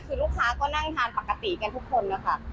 คือลูกค้าก็นั่งทานปกติกันทุกคนนะคะ